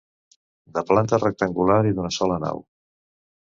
De planta rectangular i d'una sola nau.